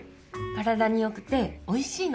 体に良くておいしいの。